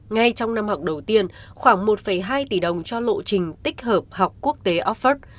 ngay trong năm học đầu tiên khoảng một hai tỷ đồng cho lộ trình tích hợp học quốc tế offord